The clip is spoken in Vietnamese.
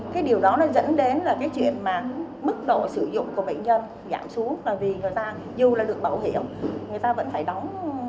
cái điều đó nó dẫn đến là cái chuyện mà mức độ sử dụng của bệnh nhân giảm xuống là vì người ta dù là được bảo hiểm người ta vẫn phải đóng